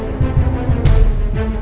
tiga kemaren dan kece